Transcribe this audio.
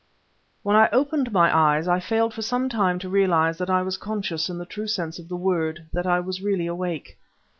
When I opened my eyes I failed for some time to realize that I was conscious in the true sense of the word, that I was really awake.